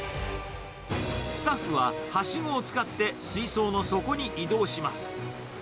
スタッフははしごを使って水槽の底に移動します。